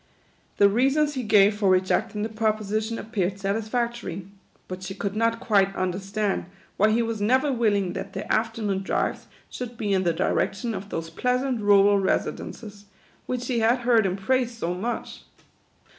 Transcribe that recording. The reasons he gave for rejecting the propo sition appeared satisfactory ; but she could not quite understand why he was never willing that their after noon drives should be in the direction of those plea THE QUADROONS. 69 sant rural residences, which she had heard him praise so much.